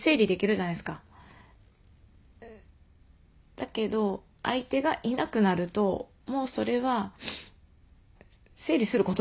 だけど相手がいなくなるともうそれは整理することできないし。